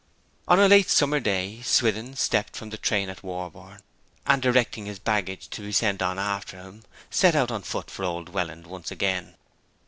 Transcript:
On a late summer day Swithin stepped from the train at Warborne, and, directing his baggage to be sent on after him, set out on foot for old Welland once again.